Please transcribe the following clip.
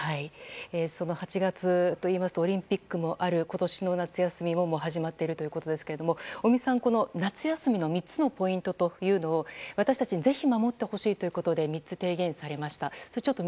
その８月といいますとオリンピックもある今年の夏休みも始まっているということですが尾身さん、夏休みの３つのポイントというのを私たちにぜひ守ってほしいということで提言されました。